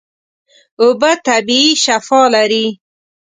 اوبه طبیعي شفاء لري.